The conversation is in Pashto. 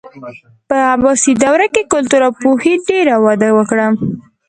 په عباسي دوره کې کلتور او پوهې ډېره وده وکړه.